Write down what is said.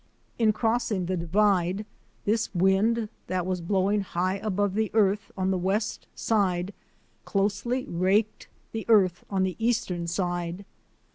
In crossing the Divide this wind that was blowing high above the earth on the west side closely raked the earth on the eastern side.